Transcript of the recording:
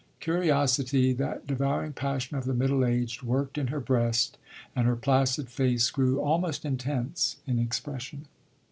Curiosity, that devouring passion of the middle aged, worked in her breast, and her placid face grew almost intense in expression.